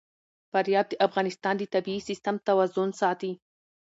فاریاب د افغانستان د طبعي سیسټم توازن ساتي.